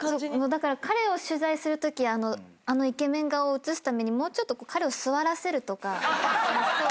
だから彼を取材するときあのイケメン顔を映すためにもうちょっと彼を座らせるとか。